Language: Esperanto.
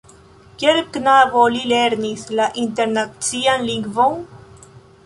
Kiel knabo li lernis la internacian lingvon.